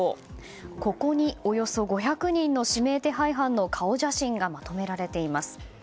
ここにおよそ５００人の指名手配犯の顔写真がまとめられています。